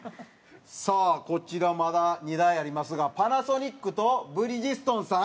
さあ、こちらまだ２台ありますがパナソニックとブリヂストンさん。